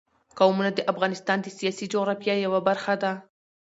قومونه د افغانستان د سیاسي جغرافیه یوه برخه ده.